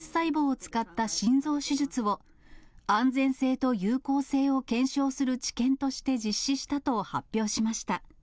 九州大学と大阪大学のグループは、ｉＰＳ細胞を使った心臓手術を、安全性と有効性を検証する治験として実施したと発表しました。